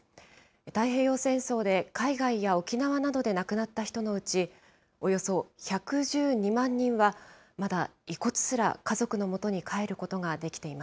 太平洋戦争で海外や沖縄などで亡くなった人のうち、およそ１１２万人はまだ遺骨すら家族のもとに帰ることができてい